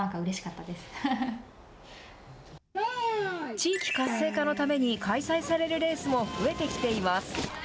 地域活性化のために開催されるレースも増えてきています。